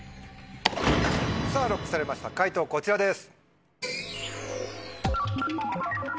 さぁＬＯＣＫされました解答こちらです。